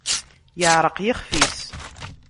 Yeɛreq yixf-is.